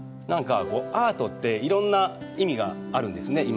何かこうアートっていろんな意味があるんですね